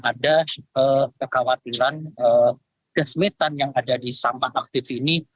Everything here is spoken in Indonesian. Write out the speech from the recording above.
ada kekhawatiran kesemitan yang ada di sampah aktif ini